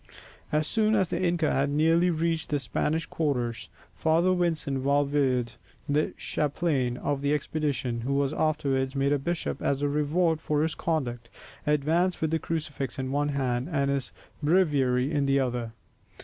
As soon as the inca had nearly reached the Spanish quarters (according to Robertson), Father Vincent Valverde, the chaplain of the expedition, who was afterwards made a bishop as a reward for his conduct, advanced with the crucifix in one hand and his breviary in the other.